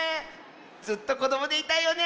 ずっとこどもでいたいよね。